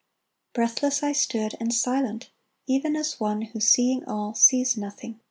Breathless I stood and silent, even as one Who, seeing all, sees nothing.